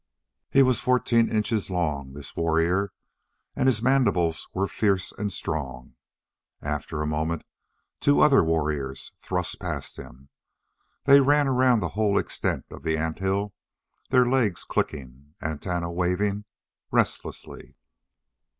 He was fourteen inches long, this warrior, and his mandibles were fierce and strong. After a moment, two other warriors thrust past him. They ran about the whole extent of the ant hill, their legs clicking, antennae waving restlessly.